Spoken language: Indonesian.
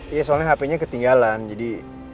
iya soalnya hpnya ketinggalan jadi